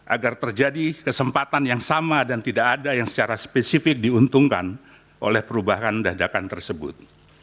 agar terjadi kesempatan yang sama dan tidak ada yang secara spesifik diuntungkan oleh perubahan dadakan tersebut